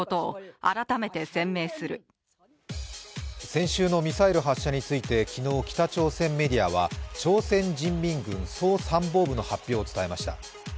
先週のミサイル発射について昨日北朝鮮メディアは朝鮮人民軍総参謀部の発表を伝えました。